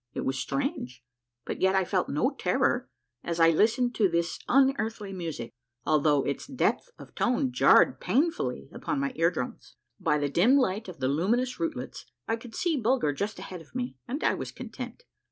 It was strange, but yet I felt no terror as I listened to this unearthly music, although its depth of tone jarred painfully upon my ear drums. By the dim light of the luminous rootlets, I could see Bulg'd' just ahead of me, and I was content.